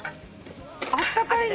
あったかいね。